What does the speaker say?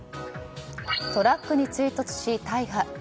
トラックに追突し、大破。